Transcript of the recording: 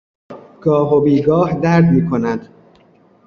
گاه و بیگاه درد می کند.